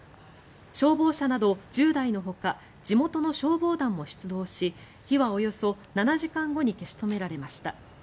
消防車など１０台のほか地元の消防団も出動し火はおよそ７時間後に消し止められました。